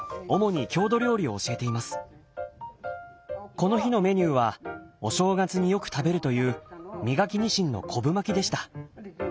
この日のメニューはお正月によく食べるという身欠きニシンの昆布巻きでした。